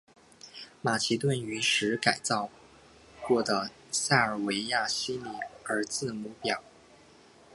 马其顿语使用改造过的塞尔维亚西里尔字母表。